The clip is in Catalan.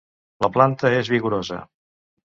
La planta és vigorosa.